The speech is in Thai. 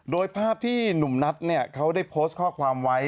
โดยภาพที่หนุ่มนัทเขาได้โพสต์ข้อความไว้